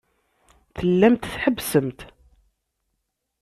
Tellamt tḥebbsemt.